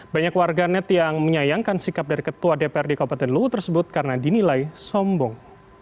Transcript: banyak warganet yang menyayangkan sikap dari ketua dprd kabupaten luwu tersebut karena dinilai sombong